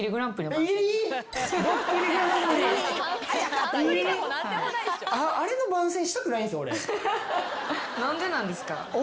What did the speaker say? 何でなんですか？